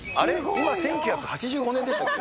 今１９８５年でしたっけ？